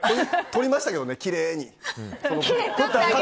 撮りましたけどね、きれいに。